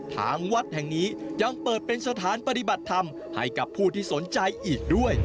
ทางวัดแห่งนี้ยังเปิดเป็นสถานปฏิบัติธรรมให้กับผู้ที่สนใจอีกด้วย